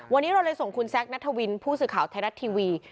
วันนี้เราเลยส่งคุณแซคนัทวินผู้สื่อข่าวไทยรัฐทีวี